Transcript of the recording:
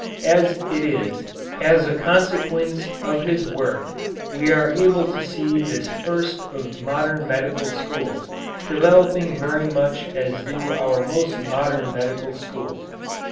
As it is, as a consequence of his work we are able to see this first of modern medical schools developing very much as do our most modern medical schools.